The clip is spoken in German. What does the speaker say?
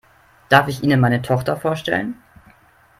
Darf ich Ihnen meine Tochter vorstellen?